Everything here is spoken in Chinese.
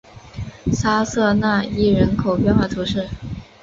沙瑟讷伊人口变化图示